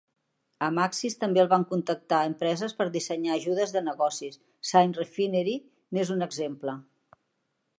A Maxis també el van contactar empreses per dissenyar ajudes de negocis; "SimRefinery", n'és un exemple.